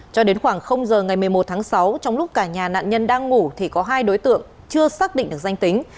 cho đến khoảng giờ ngày một mươi một tháng sáu trong lúc cả nhà nạn nhân đang ngủ thì có hai đối tượng chưa xác định được danh tính